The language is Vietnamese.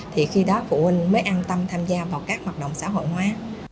thì khi đó phụ huynh mới an tâm tham gia vào các hoạt động xã hội hóa